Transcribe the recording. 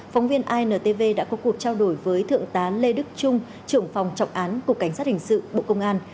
phóng viên intv đã có cuộc trao đổi với thượng tá lê đức trung trưởng phòng trọng án cục cảnh sát hình sự bộ công an